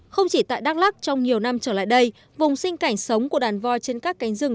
không chỉ tại đắk lắc trong nhiều năm trở lại đây vùng sinh cảnh sống của đàn voi trên các cánh rừng